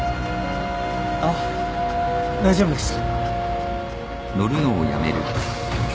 あっ大丈夫です。